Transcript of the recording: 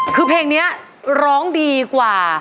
คือเพลงนี้ร้องดีกว่า